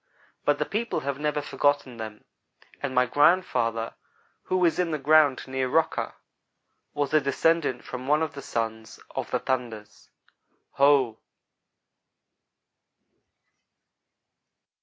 But the people have never forgotten them, and my grandfather, who is in the ground near Rocker, was a descendant from one of the sons of the 'thunders.' Ho!"